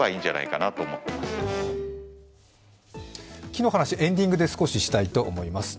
木の話、エンディングで少ししたいと思います。